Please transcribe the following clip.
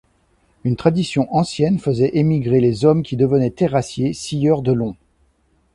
Une tradition ancienne faisait émigrer les hommes qui devenaient terrassiers, scieurs de long.